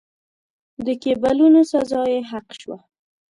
د کېبولونو سزا یې حق شوه.